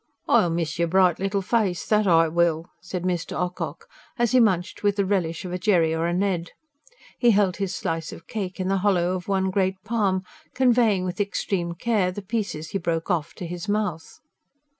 "I'll miss yer bright little face, that I will!" said Mr. Ocock, as he munched with the relish of a Jerry or a Ned. He held his slice of cake in the hollow of one great palm, conveying with extreme care the pieces he broke off to his mouth.